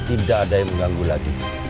tidak ada yang mengganggu lagi